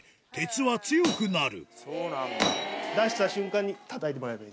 そうなんだ。